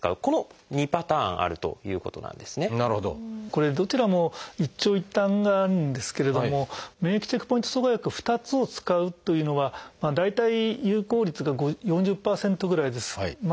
これどちらも一長一短があるんですけれども免疫チェックポイント阻害薬２つを使うというのは大体有効率が４０％ぐらいです。